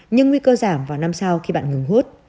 nhưng nguy cơ giảm vào năm sau khi bạn ngừng hút